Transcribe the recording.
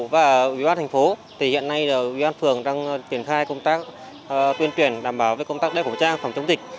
và ủy ban thành phố thì hiện nay ủy ban phường đang triển khai công tác tuyên truyền đảm bảo công tác đeo khẩu trang phòng chống dịch